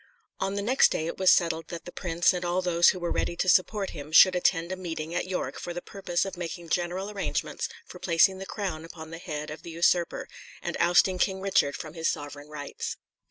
On the next day it was settled that the prince and all those who were ready to support him should attend a meeting at York for the purpose of making general arrangements for placing the crown upon the head of the usurper, and ousting King Richard from his sovereign rights.